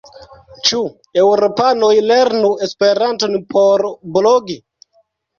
Ĉu eŭropanoj lernu Esperanton por blogi?